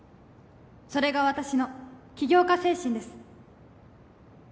それが私の起業家精神です